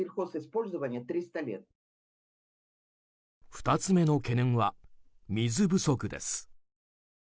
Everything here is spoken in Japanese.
２つ目の懸念は水不足です。